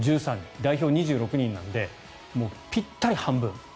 代表２６人の中でぴったり半分。